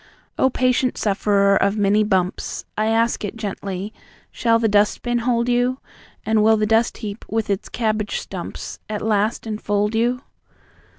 O patient sufferer of many bumps! I ask it gently shall the dustbin hold you? And will the dust heap, with its cabbage stumps, At last enfold you?